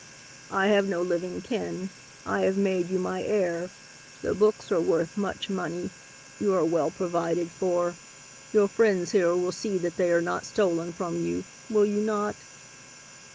I have no living kin. I have made you my heir. The books are worth much money. You are well provided for. Your friends here will see that they are not stolen from you, will you not?"